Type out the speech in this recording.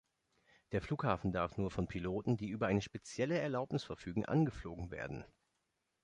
Der Flughafen darf nur von Piloten, die über eine spezielle Erlaubnis verfügen, angeflogen werden.